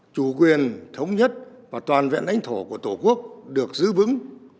chủ quyền thống nhất và toàn vẹn đánh thổ của tổ quốc được giữ vững